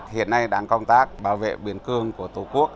hiện nay đang công tác bảo vệ biên cương của tổ quốc